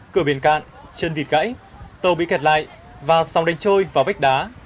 cửa biển cạn chân vịt gãy tàu bị kẹt lại và sóng đánh trôi vào vách đá